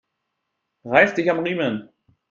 Reiß dich am Riemen!